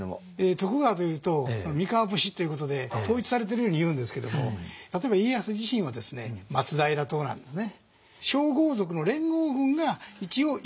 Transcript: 徳川というと三河武士っていうことで統一されてるように言うんですけども例えば家康自身はですね松平党なんですね。